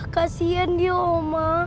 kasian dia oma